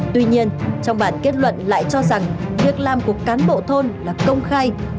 tuy nhiên trong bản kết luận lại cho rằng việc làm của cán bộ thôn là công khai